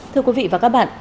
thưa quý vị và các bạn